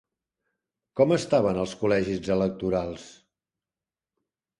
Com estaven els col·legis electorals?